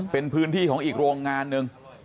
เป็นพื้นที่ของอีกโรงงานหนึ่ง